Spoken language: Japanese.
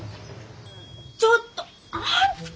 ちょっとあんた！